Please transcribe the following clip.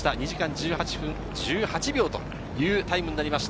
２時間１８分１８秒というタイム。